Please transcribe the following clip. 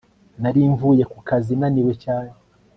nari mvuye ku kazi naniwe cyane